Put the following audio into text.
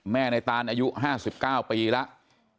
แม่ในตานอายุห้าสิบเก้าปีแล้ว